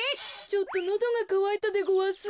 ちょっとのどがかわいたでごわす。